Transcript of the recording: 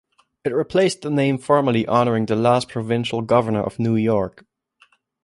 It replaced the name formerly honoring the last provincial governor of New York.